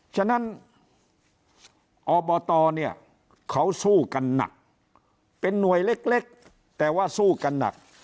ฉะนั้นอบตเนี่ยเขาสู้กันหนักเป็นหน่วยเล็กแต่ว่าสู้กันหนัก